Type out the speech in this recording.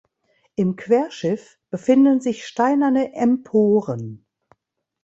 Im Querschiff befinden sich steinerne Emporen.